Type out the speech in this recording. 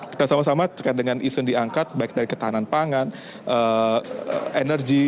kita sama sama terkait dengan isu yang diangkat baik dari ketahanan pangan energi